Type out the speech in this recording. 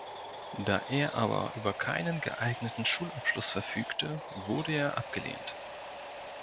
Da er aber über keinen geeigneten Schulabschluss verfügte, wurde er abgelehnt.